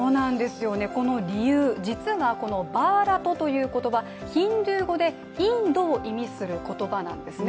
この理由、実はバーラトという言葉ヒンドゥー語でインドを意味する言葉なんですね。